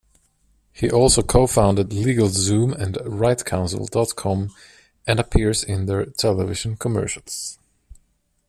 He also cofounded LegalZoom and RightCounsel dot com and appears in their television commercials.